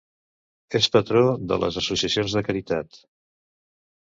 És patró de les associacions de caritat.